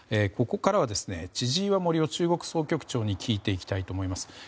ここからは千々岩森生中国総局長に聞いていきたいと思います。